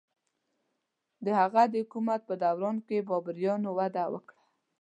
د هغه د حکومت په دوران کې بابریانو وده وکړه.